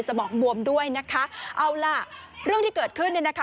สมองบวมด้วยนะคะเอาล่ะเรื่องที่เกิดขึ้นเนี่ยนะคะ